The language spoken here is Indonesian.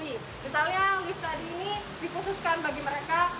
misalnya lift tadi ini dikhususkan bagi mereka